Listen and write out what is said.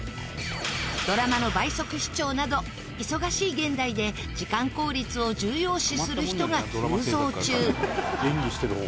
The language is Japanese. ドラマの倍速視聴など忙しい現代で時間効率を重要視する人が急増中